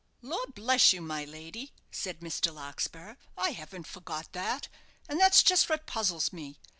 "Lor' bless you, my lady," said Mr. Larkspur, "I haven't forgot that; and that's just what puzzles me.